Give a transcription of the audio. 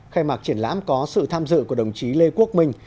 khai mạc triển lãm có sự tham dự của đồng chí lê quốc minh